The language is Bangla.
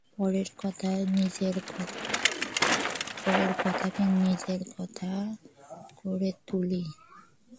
পরের কথাকে নিজের কথা করে তুলি।